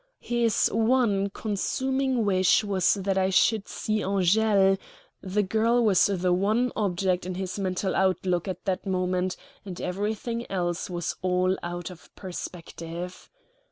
His one consuming wish was that I should see Angele the girl was the one object in his mental outlook at that moment, and everything else was all out of perspective.